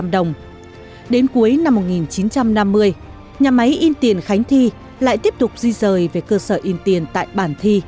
năm trăm linh đồng đến cuối năm một nghìn chín trăm năm mươi nhà máy in tiền khánh thi lại tiếp tục di rời về cơ sở in tiền tại bản thi